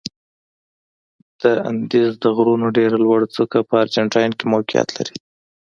د اندیز د غرونو ډېره لوړه څوکه په ارجنتاین کې موقعیت لري.